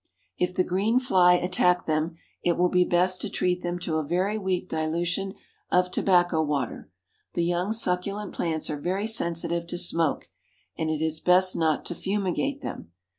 If the green fly attack them, it will be best to treat them to a very weak dilution of tobacco water; the young succulent plants are very sensitive to smoke, and it is best not to fumigate them.